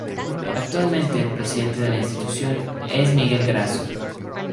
Actualmente el presidente de la institución es Miguel Grasso.